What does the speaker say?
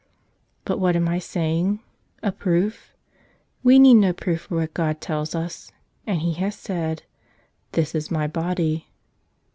But what am I saying? A proof? We need no proof for what God tells us ; and He has said, "This is My Body."